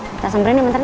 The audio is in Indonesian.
kita sembunyi nih bentar